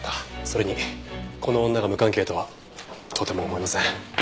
それにこの女が無関係とはとても思えません。